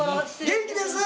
元気です！